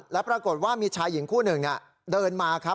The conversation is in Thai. แล้วปรากฏว่ามีชายหญิงคู่หนึ่งเดินมาครับ